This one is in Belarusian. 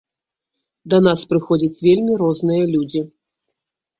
Да нас прыходзяць вельмі розныя людзі.